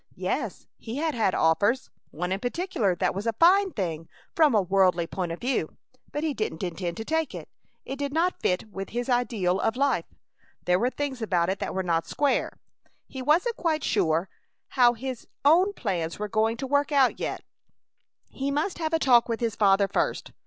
Yes, he had had offers; one in particular that was a fine thing from a worldly point of view, but he didn't intend to take it. It did not fit with his ideal of life. There were things about it that were not square. He wasn't quite sure how his his own plans were going to work out yet. He must have a talk with his father first.